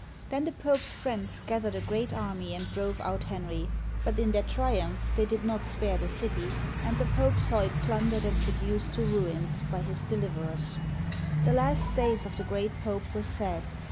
Then the Pope's friends gath ered a great army and drove out Henry; but in their triumph they did not spare the city, and the Pope saw it plundered and reduced to ruins by his deHverers. The last days of the great Pope were sad.